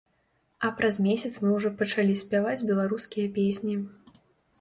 А праз месяц мы ўжо пачалі спяваць беларускія песні.